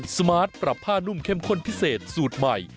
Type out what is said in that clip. สมาร์ทปรับผ้านุ่มเข้มข้นพิเศษสูตรใหม่